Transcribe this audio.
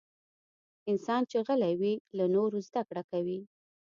انسان چې غلی وي، له نورو زدکړه کوي.